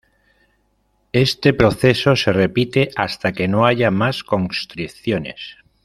Este proceso se repite hasta que no haya más constricciones.